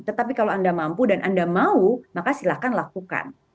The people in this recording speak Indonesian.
tetapi kalau anda mampu dan anda mau maka silahkan lakukan